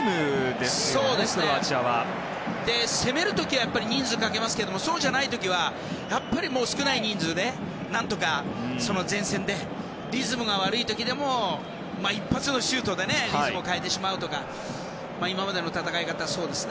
攻める時は人数をかけますけどもそうじゃない時はやっぱり、少ない人数で何とか前線でリズムが悪い時でも一発のシュートでリズムを変えてしまうとか今までの戦い方はそうですね。